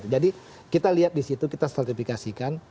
jadi kita lihat disitu kita stratifikasikan